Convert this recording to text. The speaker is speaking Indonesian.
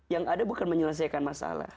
yang ada bukan menyelesaikan masalah